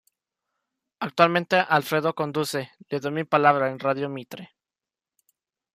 Actualmente, Alfredo conduce Le doy mi palabra en Radio Mitre.